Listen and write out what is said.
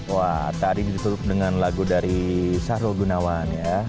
wah tadi ditutup dengan lagu dari syahrul gunawan ya